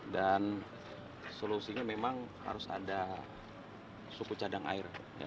dan solusinya memang harus ada suku cadang air